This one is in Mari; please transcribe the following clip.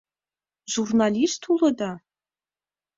— Журналист улыда?